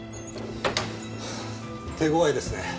はあ手ごわいですね。